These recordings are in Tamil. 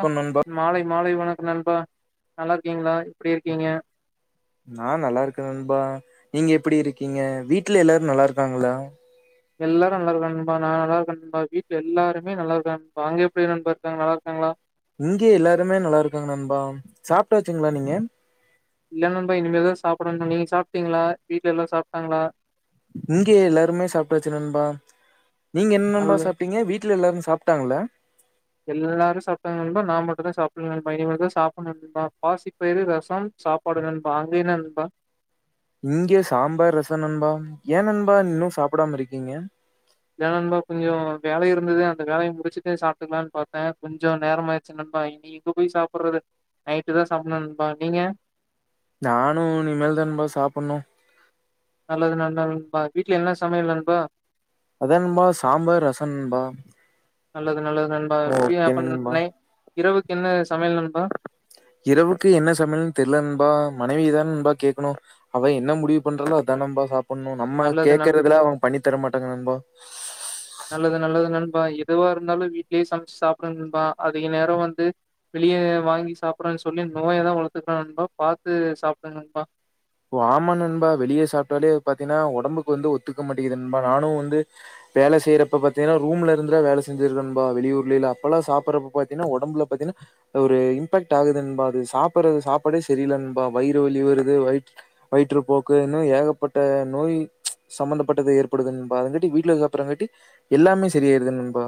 க்கம் நண்பா மாலை மாலை வணக்கம் நண்பா நல்லா இருக்கீங்ளா எப்டி இருக்கீங்க நா நல்லார்க்கே நண்பா நீங்க எப்பிடி இருக்கீங்க வீட்ல எல்லாரு நல்லா இருக்காங்களா எல்லாரு நல்லார்க்காக நண்பா நா நல்லார்க்கே நண்பா வீட்ல எல்லாருமே நல்லார்க்காங்க நண்பா அங்க எப்டி நண்பா இருக்காங்க நல்லார்க்காங்ளா இங்கே எல்லாருமே நல்லார்க்காங்க நண்பா சாப்ட்டாசுங்களா நீங்க இல்ல நண்பா இனிமேதா சாப்பிடணு நீங்க சாப்ட்டீங்ளா வீட்ல எல்லாரு சாப்ட்டாங்களா இங்கே எல்லாருமே சாப்ட்டாச்சு நண்பா நீங்க என்ன நண்பா நல்லது சாப்பிட்டீங்க வீட் ட்ல எல்லாரு சாப்ட்டாங்கள எல்லாரு சாப்ட்டாங்கா நண்பா நா மட்டுந்தா சாப்பில்ல நண்பா இனிமேல் தா சாப்புனு நண்பா பாசிப்பயிர் ரசம் சா போடு நண்பா அங்க இன்ன நண்பா இங்கே சாம்பார் ரச நண்பா ஏ நண்பா இன்னு சாப்டாம இருக்கீங்க இல்ல நண்பா கொஞ்ச வேல இருந்துது அந்த வேலைய முடிச்சுட்டு சாப்புட்டுக்கிலான் பாத்தே கொஞ்ச நேரம் ஆயிர்ச்சி நண்பா இன்னி இங்க போய் சாப்பிற்றது நைட்டு தா சாப்புனு நண்பா நீங்க நானு இனிமேல் தா நண்பா சாப்புணு நல்லது நல்ல நண்பா வீட்ல என்ன சமையல் நண்பா அதா நண்பா சாம்பார் ரச நண்பா நல்லது நல்லது நண்பா பி ஓகே அபர்னுன் நண்பா நெட் இரவுக்கு என்ன சமையல் நண்பா இரவுக்கு என்ன சமையல்னு தெரியல நண்பா மனைவியதா நண்பா கேக்கணு அவ என்ன முடிவு பண்றாலோ அதா நண்பா சாப்புணு நம்ம நல்லது நல் கேக்றதுல அவுங்க பண்ணி தர மாட்டாங்க நண்பா நல்லது நல்லது நண்பா எதுவா இருந்தாலு வீட்லே சமச்சு சாப்பிடுங் நண்பா அதிக நேர வந்து வெளிய வாங்கி சாப்புறன் சொல்லி நோயதா வளர்த்துக்கிலா நண்பா பாத்து சாப்டு நண்பா ஓ ஆமா நண்பா வெளிய சாப்ட்டாலே பாத்தீங்னா உடம்புக்கு வந்து ஒத்துக்க மாட்டேங்கது நண்பா நானு வந்து வேல செய்றப்ப பாத்தீங்னா ரூம்ல இருந்துலா வேல செஞ்சிருக்க நண்பா வெளியூர்லேல அப்பல்லா சாப்புறப்ப பாத்தீனா உடம்பல பாத்தீனா ஒரு இம்பேக்ட் ஆகுது நண்பா அது சாப்பிறது சாப்பாடே செரியில்ல நண்பா வயிறு வலி வருது வயி வயிற்று போக்கு இன்னு ஏகப்பட்ட நோயி சம்பந்தப்பட்டது ஏற்படுது நண்பா அதங்காட்டி வீட்ல சாப்பிறாங்காட்டி எல்லாமே சரியாயிருது நண்பா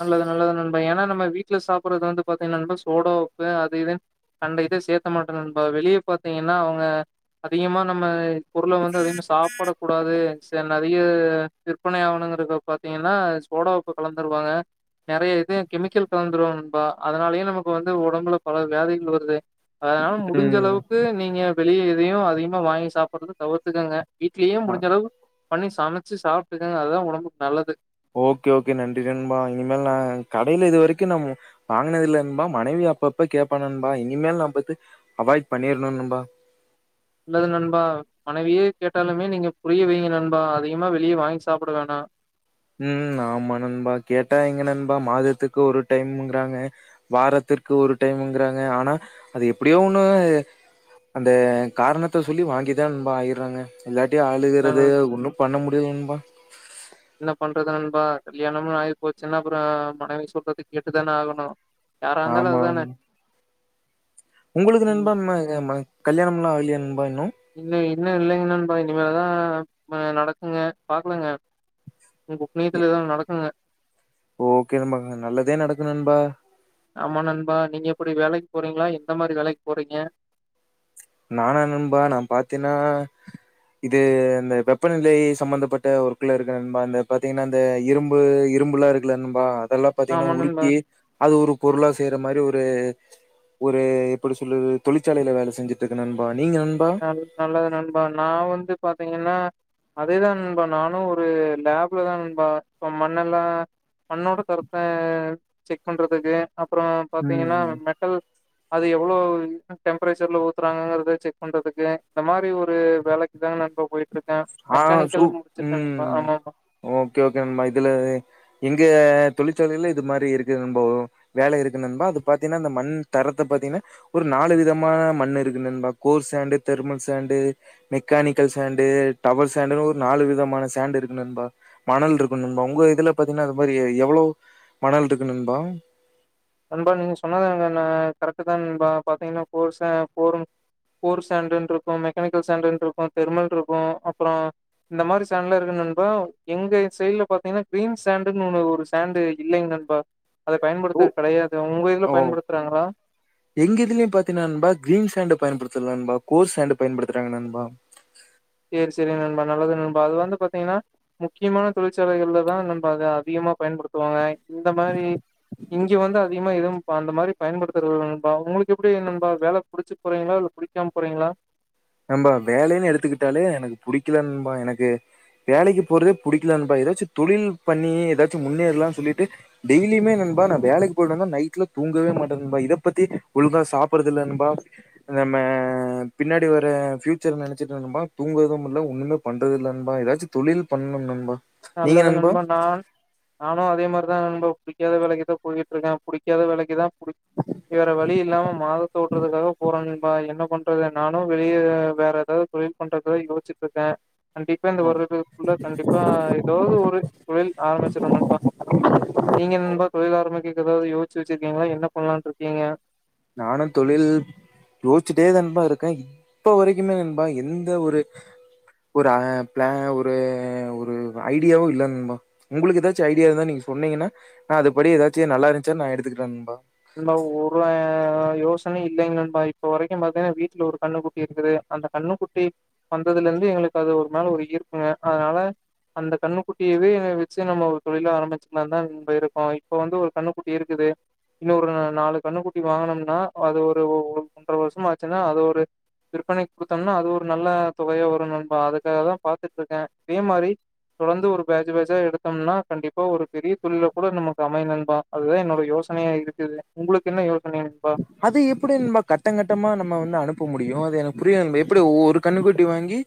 நல்லது நல்லது நண்பா ஏனா நம்ம வீட்ல சாப்பிறது வந்து பாத்தீனா நண்பா சோடா உப்பு அது இதுன் கண்ட இத சேர்க்க மாட்டோ நண்பா வெளிய பாத்தீங்கன்னா அவுங்க அதிகமா நம்ம பொருள வந்து அதிகமா சாப்பட கூடாது செல நேரத் நய்ய விற்பனை ஆவணுங்கிறாக பாத்தீங்கன்னா சோடா உப்பு கலந்துருவாங்க நறைய இது கெமிக்கல் கலந்துருவாங் நண்பா அதனாலயே நமக்கு வந்து உடம்புல பல வியாதிகள் வருது அதனால முடிஞ்ச ம் அளவுக்கு நீங்க வெளியே எதையு அதிகமா வாங்கி சாப்பிற்ரத தவிர்த்துக்கங்க வீட்லயும் அ முடிஞ்ச அளவு பண்ணி சமைச்சு சாப்ட்டுக்கங்க அதுதா உடம்புக் நல்லது ஓகே ஓகே நன்றி நண்பா இனிமேல் நா கடையில இது வரைக்கு நம் வாங்கனதில்ல நண்பா மனைவி அப்பப்ப கேப்பா நண்பா இனிமேல் நா பது அவாய்ட் பண்ணிர்ணு நண்பா நல்லது நண்பா மனைவியே கேட்டாலுமே நீங்க புரிய வைங்க நண்பா அதிகமா வெளியே வாங்கி சாப்புட வேணா ம் ஆமா நண்பா கேட்டா எங்க நண்பா மாதத்துக்கு ஒரு டைம்முங்கிறாங்க வாரத்திற்கு ஒரு டைம்ங்கிறாங்க ஆனா அது எப்டியோ ஒண்ணு அந்த காரணத்த சொல்லி வாங்கிதா நண்பா ஆயிற்றாங்க இல்லாட்டியு அழுகுறது என்ன ஒன்னு பண்ண முடியது நண்பா என்ன பண்றது நண்பா கல்யாணம்னு ஆயிப் போச்சினா அப்புறோ மனைவி சொல்றத கேட்டு தான ஆகணு யாரா இருந்தாலு ஆமா அதுதானே ஆமா உங்களுக்கு ம் நண்பா கல்யணம்லா ஆகலியா நண்பா இன்னு இன்னே இன்னு இல்லைங்க நண்பா இனிமேதா நடக்குங்க பாக்கலாங்க உங்க புன்னியத்துல எதாவது நடக்குங்க ஓகே நண்பா நல்லதே நடக்கு நண்பா ஆமா நண்பா நீங்க எப்டி வேலைக்கு போறீங்களா எந்த மாரி வேலைக்கு போறீங்க நானா நண்பா நா பாத்தீன்னா இது இந்த வெப்பநிலை சம்பந்தப்பட்ட ஒர்க்குல இருக்கே நண்பா இந்த பாத்தீங்கன்னா இந்த இரும்பு இரும்புலா இருக்குல நண்பா அதெல்லா பாத்தீங்கன்னா ஆமா நண்பா உருக்கி அது ஒரு பொருளா செய்ற மாரி ஒரு ஒரு எப்படி சொல்றது தொழிற்சாலையில வேலை செஞ்சு ட்ருக்கே நண்பா நீங்க நண்பா நல் நல்லது நண்பா நா வந்து பாத்தீங்கன்னா அதேதா நண்பா நானு ஒரு லேப்ல தா நண்பா இப்ப மண்ணெல்லா மண்ணோட தரத்த செக் பண்றதுக்கு அப்புறோ பாத்தீங்கன்னா ம் மெட்டல் அது எவ்ளோ டெம்பரேச்சர்ல ஊத்துறாங்கங்கிறத செக் பண்றதுக்கு இந்த மாறி ஒரு வேலைக்கு தாங்க நண்பா போயிட்டு இருக்கே ஆ சூ மெக்கானிக்கலு முடிச்சிருக்கே நண்பா ம் ஆமா நண்பா ஓகே ஓகே நண்பா இதுல எங்க தொழிற்சாலையில இது மாறி இருக்குது நண்பா ஒரு வேலை இருக்கு நண்பா அது பாத்தீங்கன்னா அந்த மண் தரத்த பாத்தீங்கன்னா ஒரு நாலு விதமான மண்ணு இருக்கு நண்பா core sand thermal sand mechanical sand towel சாண்டுன்னு ஒரு நாலு விதமான சாண்டு் இருக்கு நண்பா மணல் இருக்கு நண்பா உங்க இதுல பாத்தீங்கன்னா அது மாதிரி எவ்ளோ மணல் இருக்கு நண்பா நண்பா நீங்க சொன்னாதுதாங்கன்னா கரெக்ட்டு தா நண்பா பாத்தீங்கன்னா போர்ஸன் கோர் கோர் சாண்டுன்னு இருக்கு மெக்கானிக்கல் சாண்டுன்னு இருக்கு தெர்மல் இருக்கு அப்பறோ இந்த மாதிரி சாண்ட்லா இருக்கு நன்பா எங்க சைட்ல பாத்தீங்கன்னா கிரீன் சாண்டுன்னு ஒன்னு ஒரு சாண்டு இல்லைங்க நண்பா அத ஓ பயன்படுத்துறது கெடையாது உங்க இதுல ஓ பயன்படுத்துறாங்களா எங்க இதுலயு பாத்தீங்கன்னா நண்பா கிரீன் சாண்ட பயன்படுத்துல நண்பா கோர் சாண்ட பயன்படுத்துறாங்க நண்பா சேரி சேரி நண்பா நல்லது நண்பா அது வந்து பாத்தீங்கன்னா முக்கியமான தொழிற்சாலைகள்ல தா நண்பா அது அதிகமா பயன்படுத்துவாங்க இந்த மாரி இங்க வந்து அதிகமா எதும் அந்த மாரி பயன்படுத்துறது இல்ல நண்பா உங்களுக்கு எப்டி நண்பா வேலை புடிச்சு போறீங்களா இல்ல புடி க்காம போறீங்களா நண்பா வேலைன்னு எடுத்துக்கிட்டாலே எனக்கு புடிக்கல நண்பா எனக்கு வேலைக்கு போறதே பிடிக்கல நண்பா ஏதாச்சு தொழில் பண்ணி ஏதாச்சு முன்னேறலாம்னு சொல்லிட்டு டெய்லியுமே நன்பா நான் வேலைக்கு போயிட்டு வந்தா நைட்ல தூங்கவே மாட்டே நண்பா இத பத்தி ஒழுங்கா சாப்படுறது இல்ல நண்பா நம்ம பின்னா டி வற பியூச்சர் நெனைச்சுட்டு நண்பா தூங்கவே முல்ல ஒண்ணுமே பண்றது இல்ல நண்பா ஏதாச்சு தொழில் பண்ணணு நண்பா நல்லது நண்பா நா நானு அதே மாதிரிதா நண்பா‌ புடிக்காத வேலைக்கு தான் போயிட்ருக்கே புடிக்காத வேலைக்கு தா புடி வேற வழி இல்லாம மாதத்த ஓட்றதுக்காக போறே நண்பா என்ன பண்றது நானு வெளியே வேற எதாவது தொழில் பண்றதோ யோசிச்சிட்ருக்கே கண்டிப்பா இந்த வருடத்துக்குள்ள கண்டிப்பா எதாவது ஒரு தொழில் ஆரம்பிச்சரனு நண்பா நீங்க நண்பா தொழில் ஆரமிக்கிறதுக்கு எதாவது யோசிச்சு வச்சிருக்கீங்களா என்ன பண்ணலான்னு இருக்கீங்க நானு தொழில் யோச்சுட்டே தா நண்பா இருக்கேன் இப்ப வரைக்குமே நண்பா எந்த ஒரு ஒரு ஆ‌ பிள ஒரு ஒரு ஐடியாவும் இல்ல நன்பா உங்களுக்கு ஏதாச்சும் ஐடியா இருந்தா நீங்க சொன்னீங்கன்னா நா அது படி எதாச்சும் நல்லா இருந்துச்சா நா எடுத்துக்கிட்ட நன்பா நண்பா ஒரு யோசனையு இல்லைங்க நன்பா இப்ப வரைக்கும் பாத்தீங்கன்னா வீட்டுல ஒரு கண்ணு கு ட்டி இருக்குது அந்த கண்ணுக்குட்டி வந்ததுல இருந்து எங்களுக்கு அது ஒரு மேல ஒரு ஈர்ப்புங்க அதனால அந்த கண்ணுக்குட்டிவோ வச்சு நம்ம ஒரு தொழில ஆரம்பிச்சுக்கலாம்னு தான் போயிருக்கோம் இப்ப வந்து ஒரு கண்ணுக்குட்டி இருக்குது இன்னும் ஒரு நாலு கண்ணுக்குட்டி வாங்கனோம்னா அது ஒரு ஒன்ற வருஷமா ஆச்சுன்னா அது ஒரு விற்பனைக்கு கொடுத்தோம்னா அது ஒரு நல்ல தொகையா வரும் நண்பா அதுக்காக தா பாத்துட்டு இருக்கேன் அதே மாரி தொடர்ந்து ஒரு பேஜ் பேஜா எடுத்தோம்னா கண்டிப்பா ஒரு பெரிய தொழில்லா கூட நமக்கு அமையும் நண்பா அதுதான் என்னோட யோச யோசனையா இருக்குது உங்களுக்கு என்ன யோசனை நண்பா அது எப்டி நண்பா கட்டங்கட்டமா நம்ம வந்து அனுப்ப முடியும் அது எனக்கு புரியல எப்டி ஒரு கண்ணுகுட்டி வாங்கி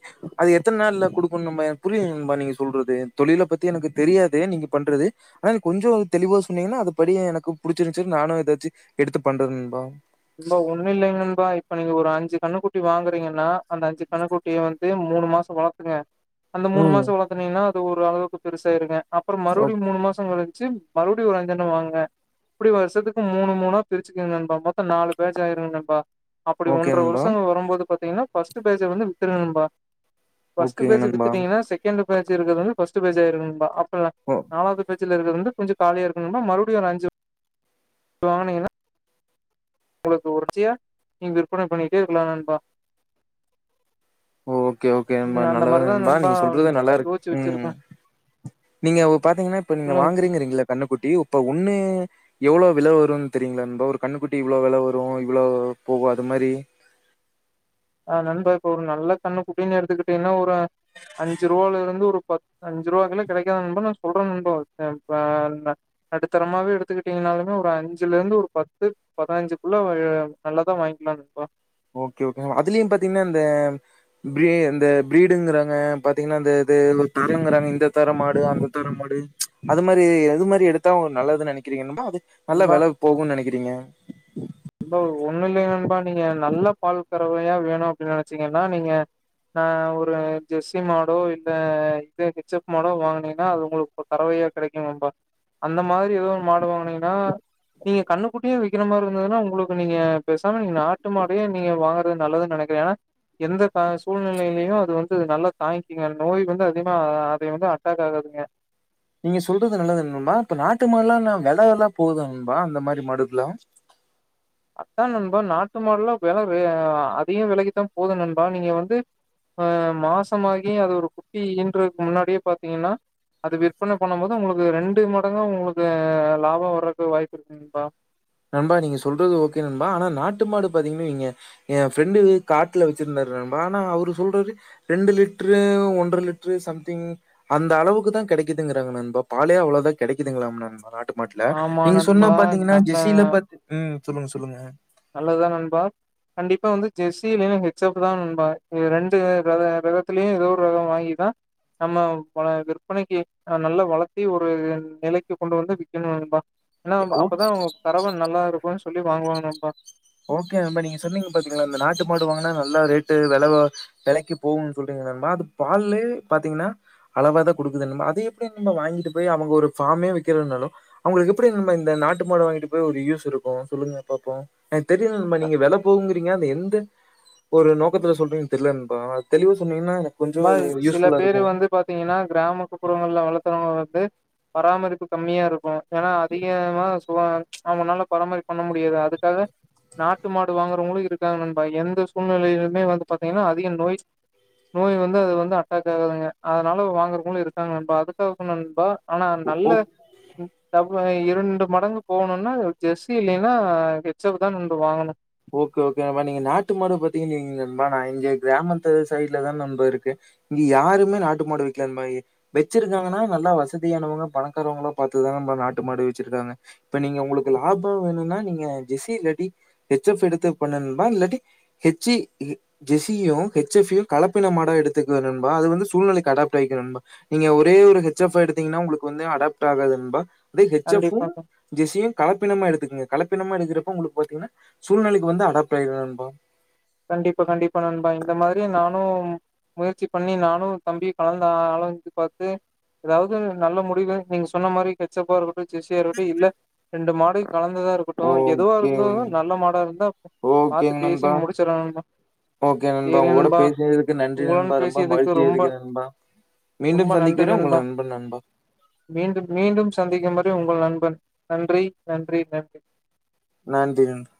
அது எத்தன நாள்ல கொடுக்கணும்னு புரியால நண்பா நீங்க சொல்றது தொழில பத்தி எனக்கு தெரியாது நீங்க பண்றது ஆனா கொஞ்சம் தெளிவா சொன்னீங்கன்னா அது படி எனக்கு புடிச்சிருந்துச்ச நானும் ஏதாச்சும் எடுத்து பண்றே நண்பா நண்பா ஒண்ணும் இல்லைங்க நண்பா இப்ப நீங்க ஒரு அஞ்சு கண்ணுக்குட்டி வாங்குறீங்கன்னா அந்த அஞ்சு கண்ணுக்குட்டிய வந்து மூணு மாசம் வளர் ங்க அந்த மூணு ம். மாசம் வளர்த்தனீங்கன்னா ஒரு அளவுக்கு பெருசாயிருங்க அப்புறம் மறுபடி ஓக் மூணு மாசம் கழிச்சு மறுபடியும் ஒரு அஞ்சன வாங்க இப்படி வருஷத்துக்கு மூணு மூணா பிரிச்சுக்குங்க நண்பா மொத் தோ நாலு பேச்ச ஆயிறும் நண்பா அப்டி ஓகே ஒன்ற நண்பா. வருஷங்க வரும்போது பாத்தீங்கன்னா ஃபஸ்ட் பேஜ் வந்து வித்துரூங்க நண்பா ஃபஸ்ட் ஓகேங்க பேஜ்ஜ நண்பா. வித்துடீங்கனா second second page first page ஆகிரும் நண்பா அப்றம் ஓ நாலாவ்து பே ஜ்ல இருந்து கொஞ்சம் காலியா இருக்கு நண்பா மறுபடியும் ஒரு அஞ்சு வாங்குனீங்கன்னா ஒங்ளுக்கு உறுச்சியா நீங்க விற்பன பண்ணிட்டே இருக்கலாம் நண்பா ஓ ஓகே ஓகே நண்பா ம் அந்த நல்லது மாரிதா நண்பா நீங்க சொல்றது நல்லா இருக்கு யோசிச்சு வச்சிருக்கே ம் நீங்க ஒ பாத்தீங்கன்னா இப்ப நீங்க சொல்லுங்க வாங்குறீங்கறீங்ளிங்கள கண்ணுக்குட்டி இப்ப ஒன்னு எவ்வளோ வெல வரும்னு தெரியங்களா நண்பா ஒரு கண்ணுக்குட்டி இவ்வளோ வெல வரும் இவ்ளோ போவும் அது மாரி ஆ நண்பா இப்ப ஒரு நல்ல கண்ணு குட்டின்னு எடுத்துக்கிட்டீங்கன்னா ஒரு அஞ்சு ரூவோல ஒரு பத் அஞ்சு ரூவாக்குள்ள கிடைக்கது நண்பா நா சொல்றே நண்பா நடுத்தரமாவே எடுத்துக்கிட்டீங்கனாலுமே ஒரு அஞ்சுல இருந்து ஒரு பத்து பதுனஞ்சுக்குள்ள உஎ நல்லதா வாங்கிக்கலாம் நண்பா ஓகே ஓகே அதுலயும் பாத்தீங்கன்னா இந்த பிரீ இந்த பிரீடுங்கிறாங்க பாத்தீங்கன்னா இந்த இது தரங்கிறாங்க இந்த தரம் மாடு அந்த தரம் மாடு அது மாரி அது மாரி எடுத்தா ஒரு நல்லதுன்னு நெனைக்கிறீங்க நண்பா அது நல்லா நண்பா வெல போகும்ன்னு நெனைக்கிறீங்க ஓ ஒன்னு இல்ல நண்பா நீங்க நல்ல பால் கறவையா வேணும் அப்டின்னு நனச்சீங்கன்னா நீங்க ஆ ஒரு ஜெர்சி மாடோ இல்ல இது மிச்சப் மாடோ வாங்கினீங்கன்னா அது ஒங்ளுக்கு இப்ப கறவையா கெடைக்கும் நண்பா அந்த மாதிரி ஏதோ மாடு வாங்கனீன்னா நீங்க கண்ணுக்குட்டியே விக்கிற மாரு இருந்ததுன்னா ஒங்ளுக்கு நீங்க பேசாம நீங்க நாட்டு மாடே நீங்க வாங்கறது நல்லதுன்னு நெனக்கிறேன் ஏன்னா எந்த கா சூழ்நிலையிலயும் அது வந்து நல்லா தாங்கிக்கிங்க நோய் வந்து அதிகமா அதை வந்து அட்டாக் ஆகாதுங்க நீங்க சொல்றது நல்லது நண்பா இப்ப நாட்டு மாடெல்லாம் நா வெல எல்லாம் போகுதா நண்பா அந்த மாரி மாடுகள் எல்லாம் அதான் நண்பா நாட்டு மாடெல்லாம் வெல வே அதிகொ வெலைக்கு தா போதும் நண்பா நீங்க வந்து இப்ப மாசமாகி அது ஒரு குட்டி ஈன்றதுக்கு முன்னாடியே பாத்தீங்கன்னா அது விற்பனை பண்ணும் போது ஒங்ளுக்கு ரெண்டு மடங்கு ஒங்ளுக்கு லாபம் வர்றதுக்கு வாய்ப்பு இருக்கு நண்பா நண்பா நீங்க சொல்றது ஓகே நண்பா ஆனா நாட்டு மாடு பாத்தீங்கன்னா இங்க எ ஃப்ரண்டு காட்ல வச்சிருந்தாரு ஆனா அவரு சொல்றாரு ரெண்டு லிட்ரு ஒன்றர லிட்ரு சம்திங் அந்த அளவுக்கு தா கெடக்குதுங்றாங்க நண்பா பாலே அவ்ளதா கெடக்குதுங்களா நண்பா மாட்ல ஆமா நீங்க சொன்னா நண்பா பாத்தீங்னா நல்ல ஜெசில பா ம் சொல்லுங்க சொல்லுங்க நல்லத் தா நண்பா கண்டிப்பா வந்து ஜெர்சியிலு ஹெச் எப் தா நண்பா ரெண்டு ரகொ ரகத்திலயு ஏதோ ஒரு ரகொ வாங்கிதா நம்ம விற்பனைக்கு நல்லா வளத்தி ஒரு நிலைக்கு கொண்டு வந்து விக்கணு நண்பா ஏன்னா ஓ அப்பதா உங்க கறவ நல்லா ருக்கும்னு சொல்லி வாங்குவாங்க நண்பா ஓகே நண்பா நீங்க சொன்னீங்க பாத்தீங்ளா இந்த நாட்டு மாடு வாங்னா நல்லா ரேட்டு வெலத வெலக்கு போகும்ன்னு சொல்றீங்க நண்பா அது பால்லயு பாத்தீங்னா அளவா தா குடுக்குதென்னமொ அத எப்டி நம்ம வாங்கிட்டு போய் அவுங்க ஒரு ஃபாமே வக்கிறதுனாலு அவுங்களுக்கு எப்டி நம்ம இந்த நாட்டு மாட வாங்கிட்டு போய் ஒரு யூஸ்ஸிருக்கு சொல்லுங்க பாப்போ எனக்கு தெரியல நண்பா நீங்க வெல போகுங்றீங்க ஆனா எந்த ஒரு நோக்கத்துல சொல்றீங்க தெரியல நண்பா தெளிவா சொன்னீங்னா ல்லா சில பேரு வந்து பாத்தீங்னா கிராமத்து புறங்கள்ல வளத்துறவங்க வந்து பராமரிப்பு கம்மியா ருக்கு ஏன்னா அதிகமா ச அவனால பராமரிப்பு பண்ண முடியாது அதுக்காக நாட்டு மாடு வாங்குறவங்களு இருக்காங்க நண்பா எந்த சூழ்நிலையிலுமே வந்து பாத்தீங்னா அதிக நோய் நோய் வந்து அது வந்து அட்டாக் ஆகாதுங்க அதனால வாங்குறக்குங்களு இருக்காங்க நண்பா அதுக்காக சொன்ன நண்பா ஆனா நல்ல ம் இரண்டு மடங்கு போணும்னா ஜெர்சி இல்லன்னா ஹெச் எப் தா நண்பா வாங்கணு ஓகே ஓகே நண்பா நீங்க நாட்டு மாடு பாத்தீங்கன் வைங்க நா இங்க கிராமத்து சைட்ல தா நண்பா ருக்கு இங்க யாருமே நாட்டு மாடு விக்கலேங் பாயி வச்சிருக்காங்கன்னா நல்லா வசதியானவங்க பணக்காரவங்களா பாத்து தா நண்பா நாட்டு மாடு வச்சுருக்காங்க இப்ப நீங்க உங்களுக்கு லாபம் வேணும்னா நீங்க ஜெஸ்ஸி இல்லாட்டி ஹச் எப் எடுத்து பண்ணு நண்பா இல்லாட்டி ஹெச்சி ஜெசியும் ஹச் எஃப்பயு கலப்பின மாடா எடுத்துக்கொங்க நண்பா அது வந்து சூழ்நிலைக்கு அடாப்ட் ஆய்க்கு நண்பா நீங்க ஒரே ஒரு ஹெச் எஃப் எடுத்தீங்னா உங்களுக்கு வந்து அடாப்ட் ஆகாது நண்பா அதே ஹெச் எஃப்பு கண்டிப்பா ஜெசியு கலப்பினமா எடுத்துகுங்க கலப்பினமா எடுக்குறப்ப உங்ளுக்கு பாத்தீங்னா சூழ்நிலைக்கு வந்து அடாப்ட் ஆயிரு நண்பா கண்டிப்பா கண்டிப்பா நண்பா இந்த மாத்ரியே நானு முயற்சி பண்ணி நானு தம்பியு கலந்து ஆராஞ்சு பாத்து ஏதாவது நல்ல முடிவு நீங்க சொன்ன மாரி கெச் ஃசெப்பா இரு ஜெஸ்சி வெரட்டி இல்ல ரெண்டு மாடு கலந்ததா இருக்கட்டு எதுவாருந்தாலு நல்ல மாடா ருந்தா ஓகேங் நண்பா ஓகே நண்பா உங்க கூட பேசுறக்கு நன்றி நண்பா உங்களுடன் ரொம்ப பேசியதுக்கு மகிழ்ச்சியா ரொம்ப ருக்கு நண்பா மீண்டும் ரொம்ப நன்றி சந்திக்கிறேன் உங்கள் நண்பா அன்பு நண்பா மீண்டும் மீண்டும் சந்திக்கும் வரை உங்கள் நண்பன் நன்றி நன்றி நன்றி நன்றி நன்றி